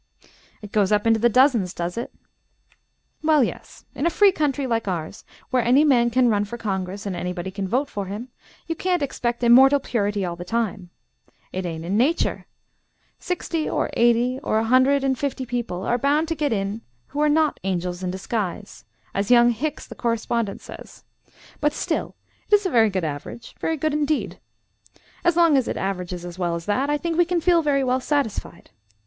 "It goes up into the dozens, does it?" "Well, yes; in a free country likes ours, where any man can run for Congress and anybody can vote for him, you can't expect immortal purity all the time it ain't in nature. Sixty or eighty or a hundred and fifty people are bound to get in who are not angels in disguise, as young Hicks the correspondent says; but still it is a very good average; very good indeed. As long as it averages as well as that, I think we can feel very well satisfied.